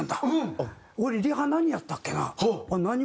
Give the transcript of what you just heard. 俺リハ何やったっけな？